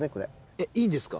えっいいんですか？